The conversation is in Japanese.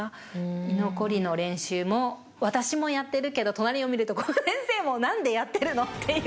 居残りの練習も、私もやってるけど、隣を見ると、古賀先生も、なんでやってるのっていう。